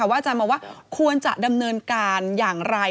อาจารย์มองว่าควรจะดำเนินการอย่างไร